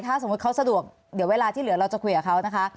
ถ้าสมมุติเขาสะดวกเดี๋ยวเวลาที่เหลือเราจะคุยกับเขานะคะ